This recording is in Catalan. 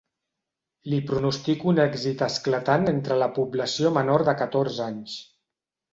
Li pronostico un èxit esclatant entre la població menor de catorze anys.